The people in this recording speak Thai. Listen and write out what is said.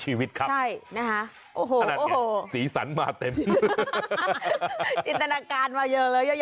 จินตนักการณ์มาเยอะเลยนะครับ